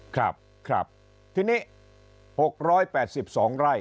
ครับครับทีนี้๖๘๒ไร่